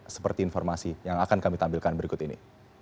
seperti informasi yang akan kami tampilkan berikut ini